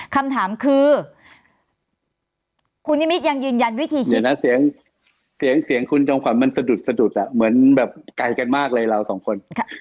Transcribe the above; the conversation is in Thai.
คำถามคือคุณนิมิตยังยืนยันวิธีคิดเสียงคุณจงขวัญมันสะดุดเหมือนแบบไกลกันมากเลยเราสองคน